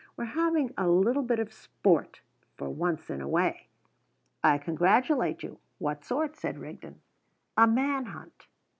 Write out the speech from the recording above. "We're having a little bit of sport, for once in a way." "I congratulate you. What sort?" said Rigden. "A man hunt!"